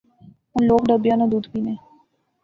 ہُن لوک ڈبیاں نا دُد پینے